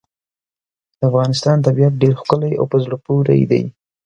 د افغانستان طبیعت ډېر ښکلی او په زړه پورې دی.